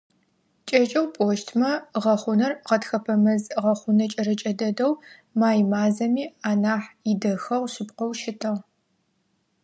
КӀэкӀэу пӀощтмэ, гъэхъунэр гъэтхэпэ мэз гъэхъунэ кӀэрэкӀэ дэдэу, май мазэми анахь идэхэгъу шъыпкъэу щытыгъ.